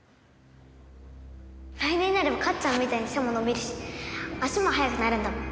来年になればかっちゃんみたいに背も伸びるし足も速くなるんだもん。